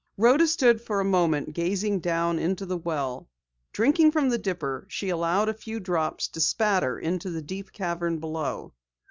Rhoda stood for a moment gazing down into the well. Drinking from the dipper, she allowed a few drops to spatter into the deep cavern below.